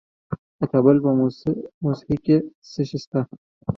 د کابل په موسهي کې څه شی شته؟